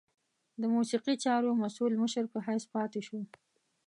د موسیقي چارو مسؤل مشر په حیث پاته شو.